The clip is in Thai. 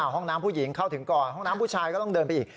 ห้องน้ำผู้หญิงเข้าถึงก่อนห้องน้ำผู้ชายก็ต้องเดินไปอีก